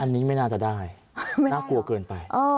อันนี้ไม่น่าจะได้น่ากลัวเกินไป